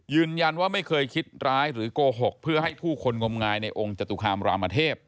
ไม่เคยคิดร้ายหรือโกหกเพื่อให้ผู้คนงมงายในองค์จตุคามรามเทพ